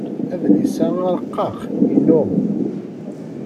Adlis-a arqaq inu.